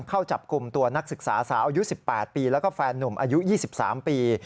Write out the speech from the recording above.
เข้าจับกลุ่มตัวนักศึกษาสาว๑๘ปีและแฟนหนุ่ม๒๓ปี